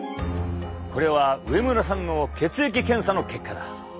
これは植村さんの血液検査の結果だ。